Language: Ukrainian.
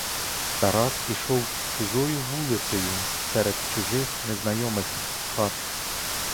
Тарас ішов чужою вулицею, серед чужих незнайомих хат.